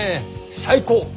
最高！